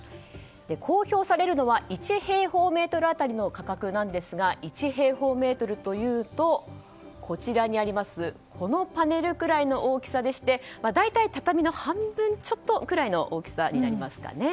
公表されるのは１平方メートル当たりの価格ですが１平方メートルというとこのパネルぐらいの大きさで大体、畳の半分ちょっとくらいの大きさになります。